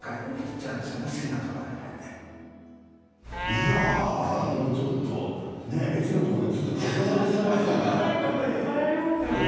いやあ、ちょっとレジのところで、ずっと立ち止まってしまいますね。